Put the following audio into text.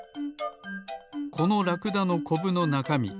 このラクダのコブのなかみ